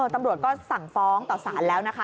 ตำรวจก็สั่งฟ้องต่อสารแล้วนะคะ